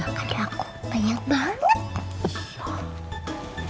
ada banyak yang mau diberikan ke saya